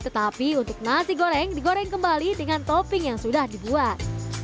tetapi untuk nasi goreng digoreng kembali dengan topping yang sudah dibuat